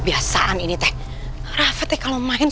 yah jatuh lagi